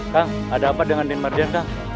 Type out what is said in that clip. kang ada apa dengan den mardian